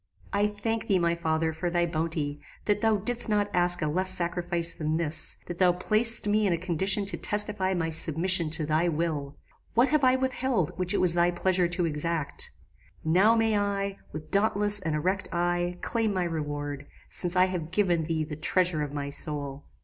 "I thank thee, my father, for thy bounty; that thou didst not ask a less sacrifice than this; that thou placedst me in a condition to testify my submission to thy will! What have I withheld which it was thy pleasure to exact? Now may I, with dauntless and erect eye, claim my reward, since I have given thee the treasure of my soul.